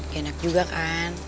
ya enak juga kan